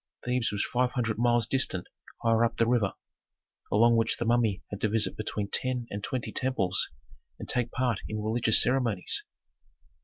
Thebes was five hundred miles distant higher up the river, along which the mummy had to visit between ten and twenty temples and take part in religious ceremonies.